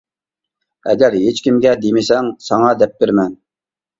ئەگەر ھېچكىمگە دېمىسەڭ ساڭا دەپ بېرىمەن.